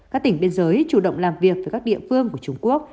các tỉnh biên giới chủ động làm việc với các địa phương của trung quốc